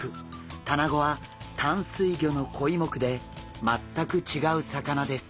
タナゴは淡水魚のコイ目で全く違う魚です。